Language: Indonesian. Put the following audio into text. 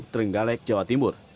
trenggalek jawa timur